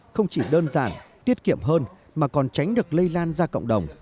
không chỉ đơn giản tiết kiệm hơn mà còn tránh được lây lan ra cộng đồng